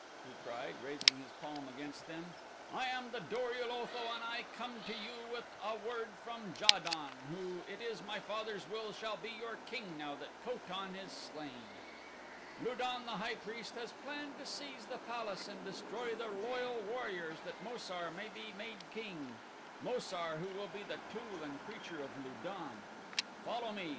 he cried, raising his palm against them. "I am the Dor ul Otho and I come to you with a word from Ja don, who it is my father's will shall be your king now that Ko tan is slain. Lu don, the high priest, has planned to seize the palace and destroy the loyal warriors that Mo sar may be made king Mo sar who will be the tool and creature of Lu don. Follow me.